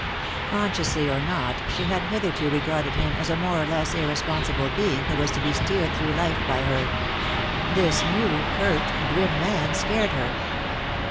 Consciously or not, she had hitherto regarded him as a more or less irresponsible being who was to be steered through life by her. This new, curt, grim man scared her.